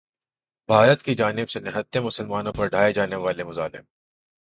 بھارت کی جانب سے نہتے مسلمانوں پر ڈھائے جانے والے مظالم